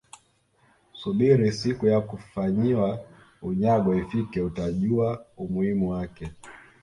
subiri siku ya kufanyiwa unyago ifike utajua umuhimu wake